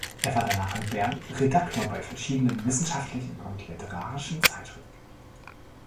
Er war danach in Bern Redaktor bei verschiedenen wissenschaftlichen und literarischen Zeitschriften.